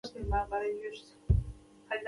ایا زه باید خپل پښې قوي کړم؟